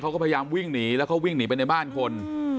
เขาก็พยายามวิ่งหนีแล้วเขาวิ่งหนีไปในบ้านคน